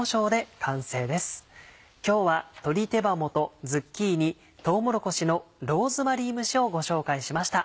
今日は「鶏手羽元ズッキーニとうもろこしのローズマリー蒸し」をご紹介しました。